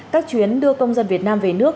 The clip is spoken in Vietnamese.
các chuyến đưa công dân việt nam về nước